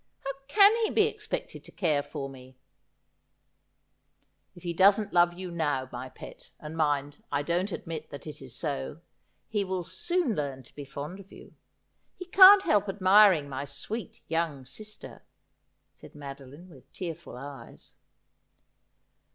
How can he be expected to care for me ?'' If he does not love you now, my pet — and mind, I don't admit that it is so — he will soon learn to be fond of you. He can't help admiring my sweet young sister,' said Madoline, with tearful eyes.